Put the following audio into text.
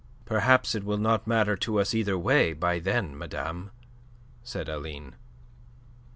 "Perhaps it will not matter to us either way by then, madame," said Aline.